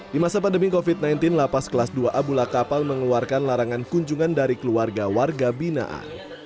di masa pandemi covid sembilan belas lapas kelas dua a bula kapal mengeluarkan larangan kunjungan dari keluarga warga binaan